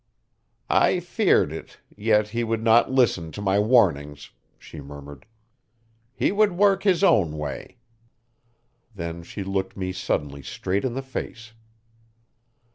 "I feared it, yet he would not listen to my warnings," she murmured. "He would work his own way." Then she looked me suddenly straight in the face.